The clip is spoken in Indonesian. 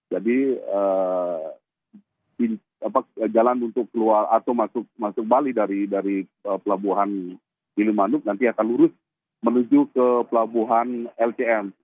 jadi jalan untuk keluar atau masuk bali dari pelabuhan gili manuk nanti akan lurus menuju ke pelabuhan lcm